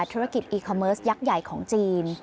ธุรกิจอีคาเมิร์สยักษ์ใหญ่ของจีน